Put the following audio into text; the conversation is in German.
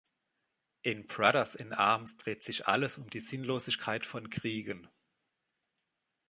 In „Brothers in Arms“ dreht sich alles um die Sinnlosigkeit von Kriegen.